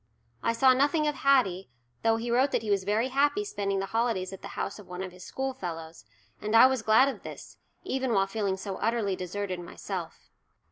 I saw nothing of Haddie, though he wrote that he was very happy spending the holidays at the house of one of his schoolfellows, and I was glad of this, even while feeling so utterly deserted myself.